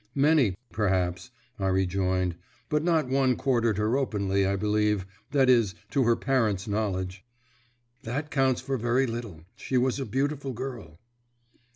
"Many, perhaps," I rejoined; "but not one courted her openly, I believe that is, to her parents' knowledge." "That counts for very little. She was a beautiful girl."